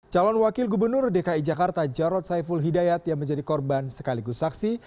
calon wakil gubernur dki jakarta jarod saiful hidayat yang menjadi korban sekaligus saksi